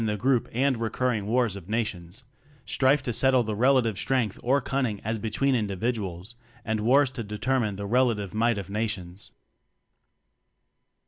the group and recurring wars of nations strife to settle the rela tive strength or cunning as between individuals, and wars to determine the relative might of nations.